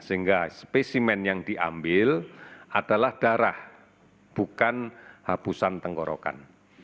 sehingga spesimen yang diambil adalah darah bukan hapusan tenggorokan